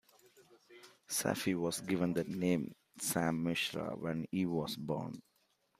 Safi was given the name Sam Mirza when he was born.